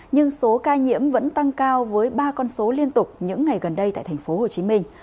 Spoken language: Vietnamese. nhưng số ca nhiễm vẫn tăng cao với ba con số liên tục những ngày gần đây tại thành phố hồ chí minh